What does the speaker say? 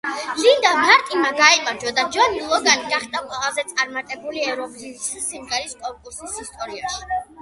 ლინდა მარტინმა გაიმარჯვა და ჯონი ლოგანი გახდა ყველაზე წარმატებული ევროვიზიის სიმღერის კონკურსის ისტორიაში.